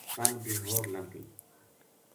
پل بے ہور لگ گئی